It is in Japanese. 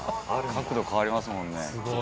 角度変わりますもんね。